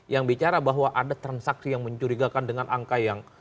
yang bicara bahwa ada transaksi yang mencurigakan dengan angka yang